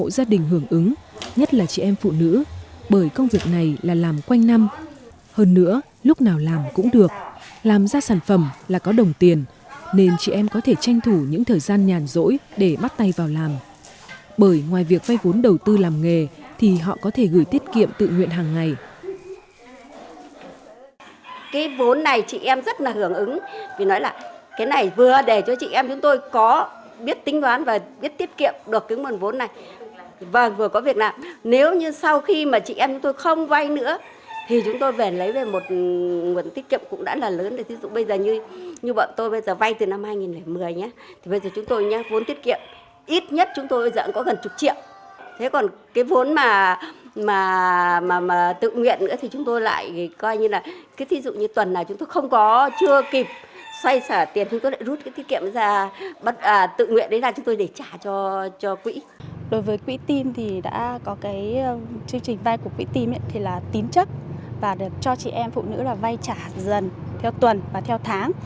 chương trình vay của quỹ team là tín chất và được cho chị em phụ nữ vay trả dần theo tuần và theo tháng